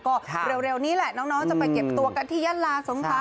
ก็เร็วนี้แหละน้องจะไปเก็บตัวกันที่ยะลาสงครา